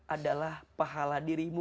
adalah pahala dirimu